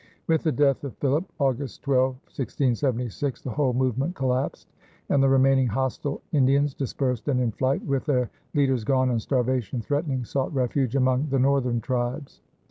With the death of Philip, August 12, 1676, the whole movement collapsed, and the remaining hostile Indians, dispersed and in flight, with their leaders gone and starvation threatening, sought refuge among the northern tribes.